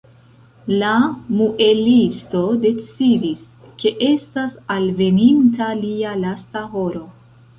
La muelisto decidis, ke estas alveninta lia lasta horo.